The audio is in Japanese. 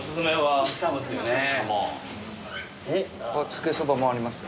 つけそばもありますよ。